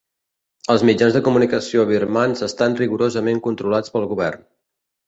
Els mitjans de comunicació birmans estan rigorosament controlats pel govern.